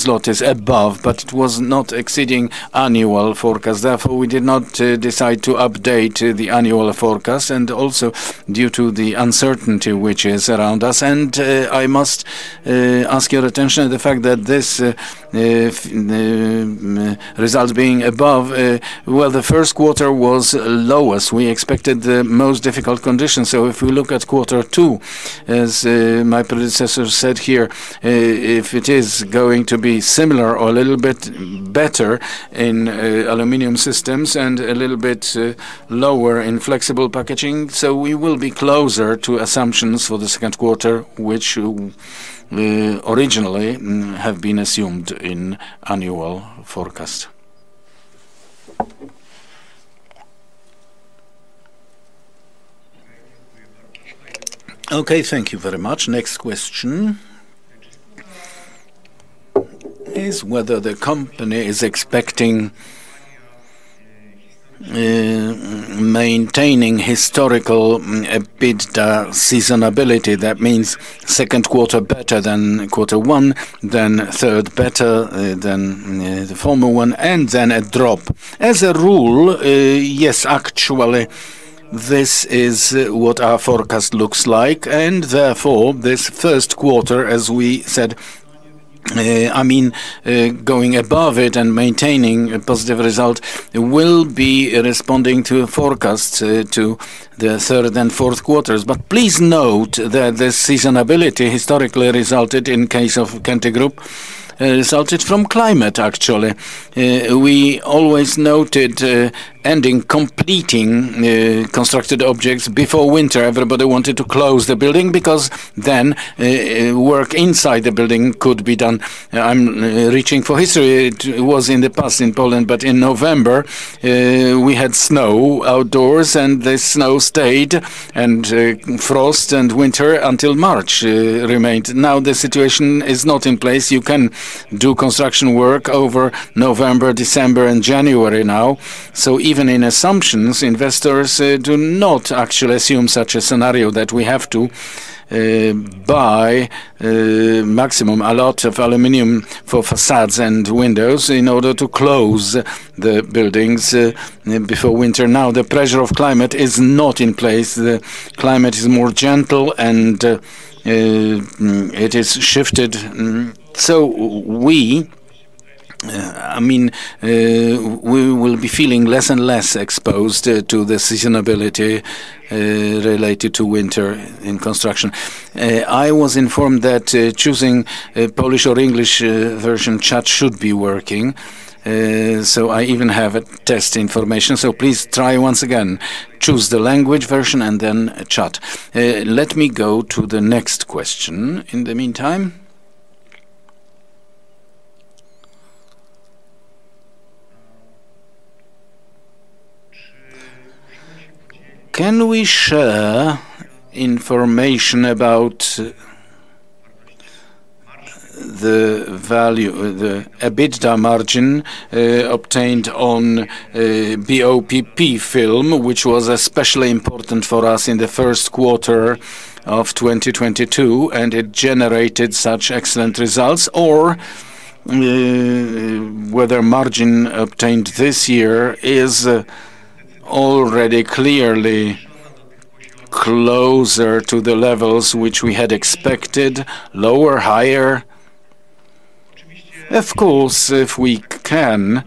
above, but it was not exceeding annual forecast. Therefore, we did not decide to update the annual forecast and also due to the uncertainty which is around us. I must ask your attention the fact that this results being above, well, the first quarter was lowest. We expected the most difficult conditions. If we look at quarter two, as my predecessor said here, if it is going to be similar or a little bit better in aluminum systems and a little bit lower in flexible packaging, we will be closer to assumptions for the second quarter, which originally have been assumed in annual forecast. Thank you very much. Next question is whether the company is expecting maintaining historical EBITDA seasonability. That means second quarter better than quarter one, then third better than the former one, and then a drop. As a rule, yes, actually, this is what our forecast looks like. Therefore, this first quarter, as we said, I mean, going above it and maintaining a positive result will be responding to forecasts to the third and fourth quarters. Please note that the seasonality historically resulted in case of Grupa Kęty, resulted from climate actually. We always noted, ending completing, constructed objects before winter. Everybody wanted to close the building because then, work inside the building could be done. I'm reaching for history. It was in the past in Poland, but in November, we had snow outdoors, and the snow stayed and frost and winter until March remained. Now the situation is not in place. You can do construction work over November, December and January now. Even in assumptions, investors do not actually assume such a scenario that we have to buy maximum a lot of aluminum for facades and windows in order to close the buildings before winter. Now, the pressure of climate is not in place. The climate is more gentle and it is shifted. We, I mean, we will be feeling less and less exposed to the seasonability related to winter in construction. I was informed that choosing a Polish or English version chat should be working. I even have a test information, so please try once again. Choose the language version and then chat. Let me go to the next question in the meantime. Can we share information about the value, the EBITDA margin obtained on BOPP film, which was especially important for us in the first quarter of 2022, and it generated such excellent results? Or whether margin obtained this year is already clearly closer to the levels which we had expected, lower, higher? Of course, if we can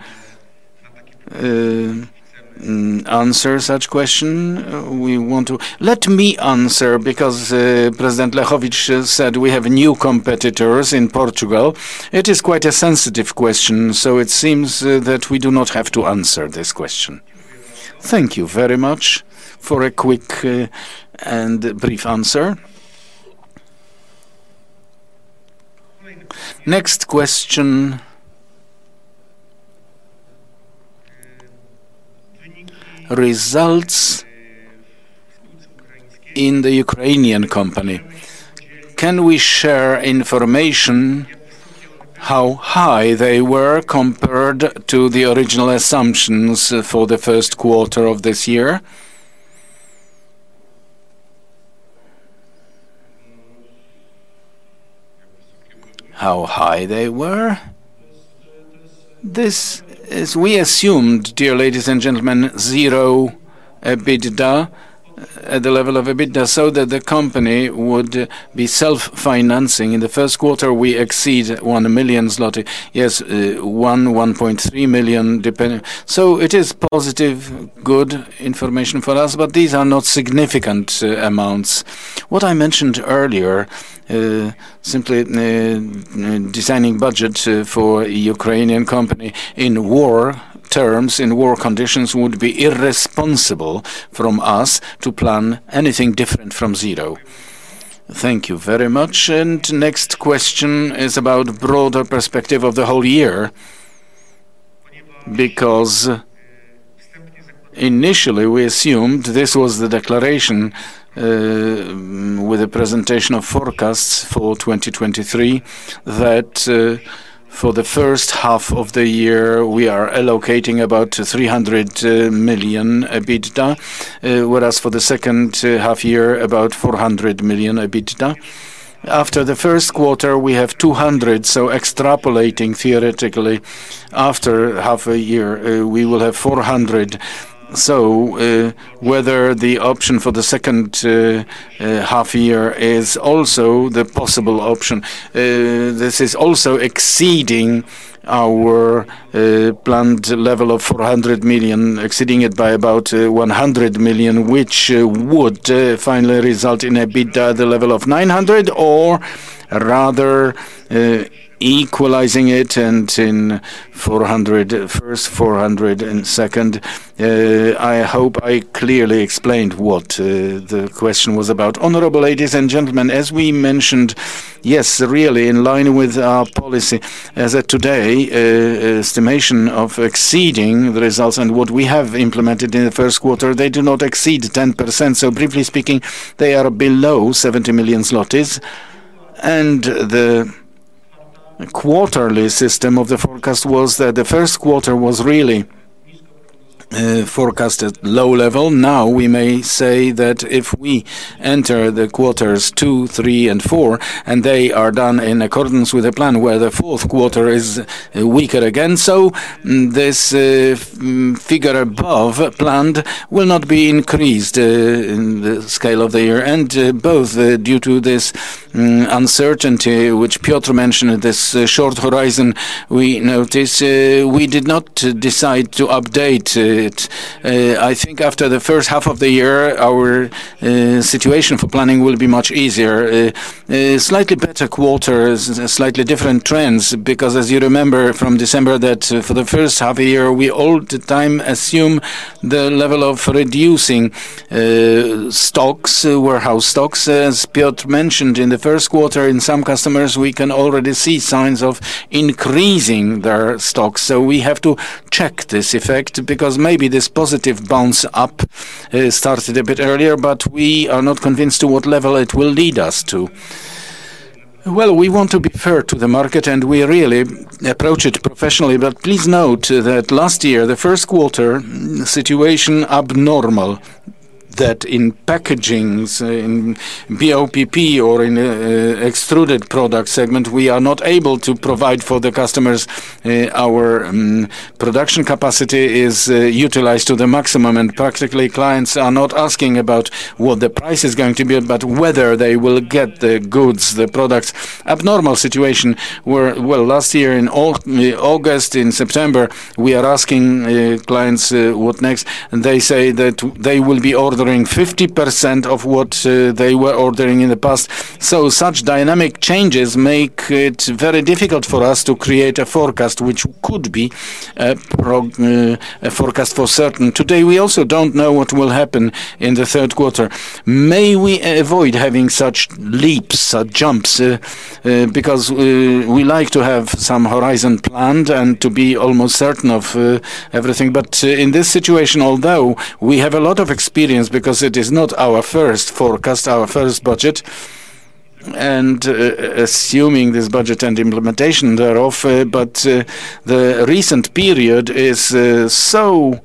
answer such question, we want to. Let me answer because President Lechowicz said we have new competitors in Portugal. It is quite a sensitive question. It seems that we do not have to answer this question. Thank you very much for a quick and brief answer. Next question. Results in the Ukrainian company. Can we share information how high they were compared to the original assumptions for the first quarter of this year? How high they were? This is we assumed, dear ladies and gentlemen, zero EBITDA at the level of EBITDA, so that the company would be self-financing. In the first quarter, we exceed 1 million zloty. Yes, 1.3 million depending. It is positive, good information for us. These are not significant amounts. What I mentioned earlier, simply designing budget for a Ukrainian company in war terms, in war conditions, would be irresponsible from us to plan anything different from zero. Thank you very much. Next question is about broader perspective of the whole year. Initially we assumed this was the declaration, with a presentation of forecasts for 2023, that for the first half of the year we are allocating about 300 million EBITDA, whereas for the second half year about 400 million EBITDA. After the first quarter we have 200, extrapolating theoretically after half a year, we will have 400. Whether the option for the second half year is also the possible option? This is also exceeding our planned level of 400 million, exceeding it by about 100 million, which would finally result in EBITDA the level of 900 million or rather, equalizing it and in 400 first, 400 second. I hope I clearly explained what the question was about. Honorable ladies and gentlemen, as we mentioned, yes, really in line with our policy as at today, estimation of exceeding the results and what we have implemented in the first quarter, they do not exceed 10%. Briefly speaking, they are below 70 million zlotys. The quarterly system of the forecast was that the first quarter was really forecasted low level. We may say that if we enter the quarters two, three, and four and they are done in accordance with the plan where the fourth quarter is weaker again, this figure above planned will not be increased in the scale of the year. Both due to this uncertainty which Piotr mentioned, this short horizon we notice, we did not decide to update it. I think after the first half of the year, our situation for planning will be much easier. Slightly better quarters, slightly different trends because as you remember from December that for the first half a year, we all the time assume the level of reducing stocks, warehouse stocks. As Piotr mentioned, in the first quarter in some customers we can already see signs of increasing their stocks. We have to check this effect because maybe this positive bounce up started a bit earlier, but we are not convinced to what level it will lead us to. We want to be fair to the market and we really approach it professionally. Please note that last year, the first quarter, situation abnormal, that in packagings, in BOPP or in extruded product segment, we are not able to provide for the customers. Our production capacity is utilized to the maximum and practically clients are not asking about what the price is going to be, but whether they will get the goods, the products. Abnormal situation where, well, last year in August, in September, we are asking clients what next and they say that they will be ordering 50% of what they were ordering in the past. Such dynamic changes make it very difficult for us to create a forecast which could be a forecast for certain. Today we also don't know what will happen in the third quarter. May we avoid having such leaps, jumps, because we like to have some horizon planned and to be almost certain of everything. In this situation, although we have a lot of experience because it is not our first forecast, our first budget, and assuming this budget and implementation thereof, the recent period is so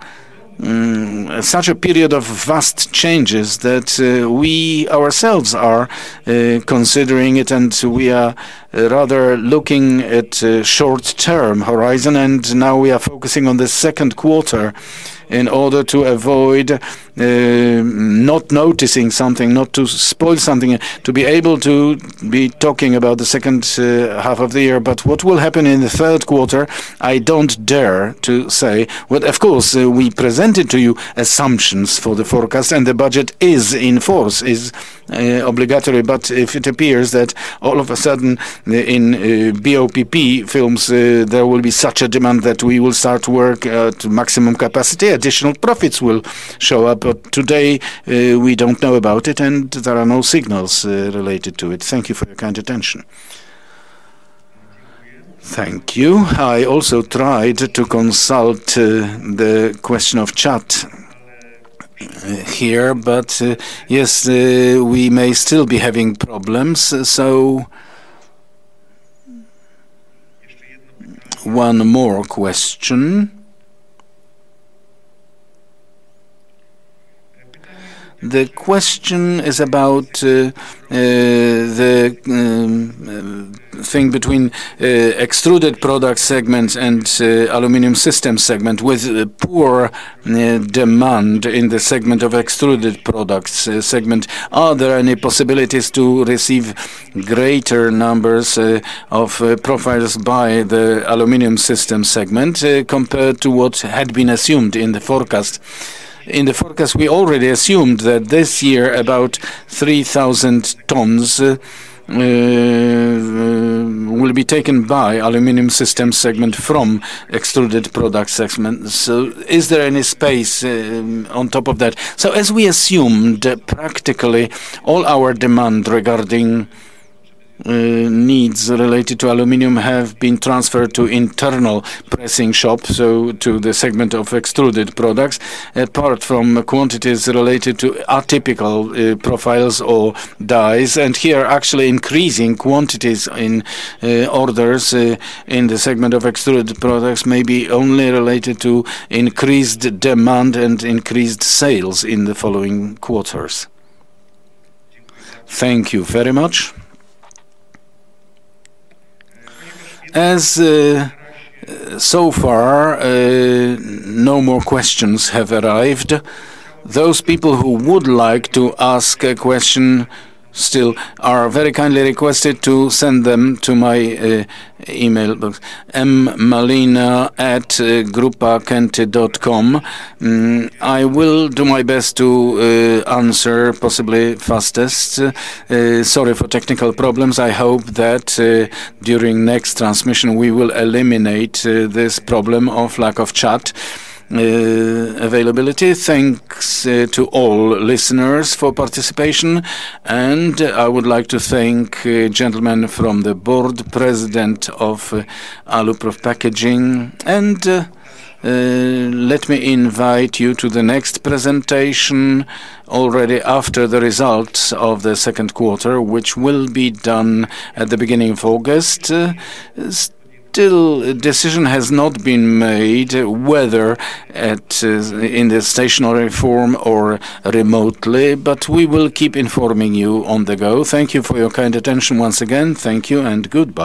such a period of vast changes that we ourselves are considering it and we are rather looking at a short-term horizon and now we are focusing on the second quarter in order to avoid not noticing something, not to spoil something, to be able to be talking about the second half of the year. What will happen in the third quarter, I don't dare to say. Well, of course, we presented to you assumptions for the forecast and the budget is in force, is obligatory. If it appears that all of a sudden the, in BOPP films, there will be such a demand that we will start work at maximum capacity, additional profits will show up. Today, we don't know about it, and there are no signals related to it. Thank you for your kind attention. Thank you. I also tried to consult the question of chat here, but yes, we may still be having problems, so one more question. The question is about the thing between extruded product segments and aluminum system segment. With poor demand in the segment of extruded products segment, are there any possibilities to receive greater numbers of profiles by the aluminum system segment compared to what had been assumed in the forecast? In the forecast, we already assumed that this year about 3,000 tons will be taken by aluminum system segment from extruded product segment. Is there any space on top of that? As we assumed, practically all our demand regarding needs related to aluminum have been transferred to internal pressing shop, so to the segment of extruded products, apart from quantities related to atypical profiles or dies. Here, actually increasing quantities in orders in the segment of extruded products may be only related to increased demand and increased sales in the following quarters. Thank you very much. So far, no more questions have arrived. Those people who would like to ask a question still are very kindly requested to send them to my email mmalina@grupakety.com. I will do my best to answer possibly fastest. Sorry for technical problems. I hope that during next transmission we will eliminate this problem of lack of chat availability. Thanks to all listeners for participation. I would like to thank gentleman from the board, President of Alupol Packaging. Let me invite you to the next presentation already after the results of the 2nd quarter, which will be done at the beginning of August. Still decision has not been made whether in the stationary form or remotely, but we will keep informing you on the go. Thank you for your kind attention once again. Thank you and goodbye.